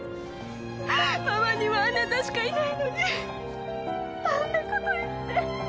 ママにはあなたしかいないのにあんな事言ってごめんね。